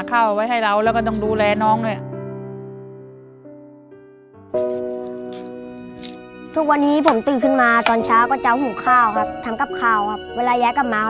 ก็ไปตั้งแต่ดึกเนาะ